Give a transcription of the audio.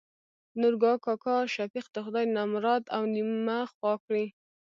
نورګا کاکا : شفيق د خداى نمراد او نيمه خوا کړي.